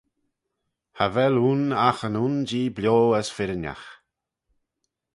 Cha vel ayn agh yn un Jee bio as firrinagh.